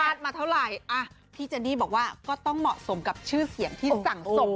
เท่าไหร่อ่ะพี่เจนนี่บอกว่าก็ต้องเหมาะสมกับชื่อเสียงที่สั่งส่ง